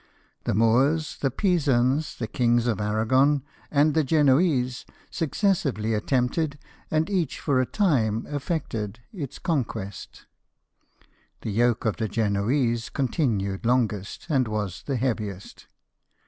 The Moors, the Pisans, the kings of Aragon, and the Genoese, successively attempted, and each for a time effected, its conquest. The yoke of the Genoese continued longest, and was the heaviest.